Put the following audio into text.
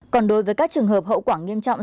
còn đối với các trường hợp hậu quả nghiêm trọng